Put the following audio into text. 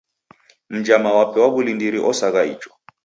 Mnjama wape wa w'ulindiri osagha icho.